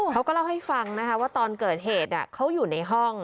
เขาก็เล่าให้ฟังนะคะว่าตอนเกิดเหตุเขาอยู่ในห้อง